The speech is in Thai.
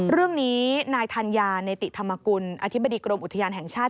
เรื่องนี้นายธัญญาเนติธรรมกุลอธิบดีกรมอุทยานแห่งชาติ